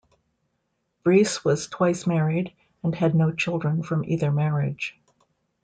Breese was twice married, and had no children from either marriage.